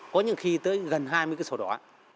có những khi tới gần hai mươi cái số đó